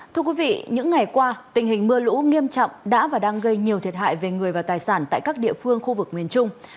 thưa quý vị những ngày qua tình hình mưa lũ nghiêm trọng đã và đang gây nhiều thiệt hại về người và tài sản tại các địa phương khu vực miền trung